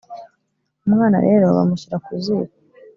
Umwana rero bamushyira ku ziko.